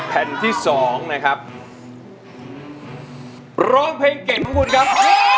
แผ่นที่สองนะครับร้องเพลงเก่งของคุณครับ